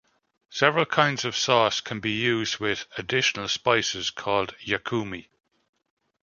Several kinds of sauce can be used with additional spices, called yakumi.